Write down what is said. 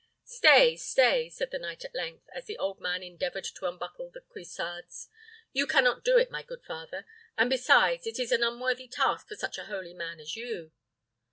"Stay, stay!" said the knight at length, as the old man endeavoured to unbuckle the cuissards; "you cannot do it, my good father; and besides, it is an unworthy task for such a holy man as you."